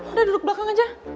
udah duduk belakang aja